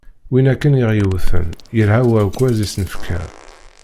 Win akken i ɣ-yewten, yelha uɛekkaz i s-nefka.